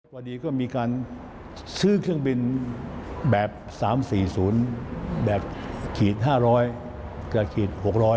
พอดีก็มีการซื้อเครื่องบินแบบ๓๔๐แบบขีด๕๐๐กับขีด๖๐๐